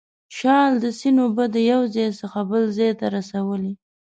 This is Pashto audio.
شال د سیند اوبه د یو ځای څخه بل ځای ته رسولې.